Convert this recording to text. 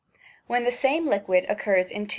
When the same liquid occurs in two